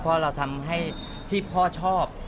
เพราะเราทำให้ที่พ่อชอบ